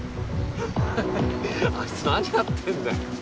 ハハッあいつ何やってんだよ。